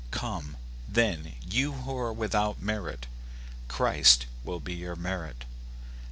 Come, then, you who are without merit, Christ will be your merit.